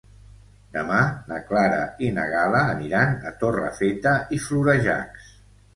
Demà na Clara i na Gal·la aniran a Torrefeta i Florejacs.